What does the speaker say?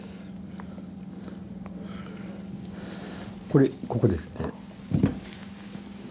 これここですね。